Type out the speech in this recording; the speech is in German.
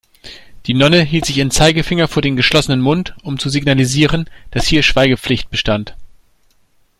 Die Nonne hielt sich ihren Zeigefinger vor den geschlossenen Mund, um zu signalisieren, dass hier Schweigepflicht bestand.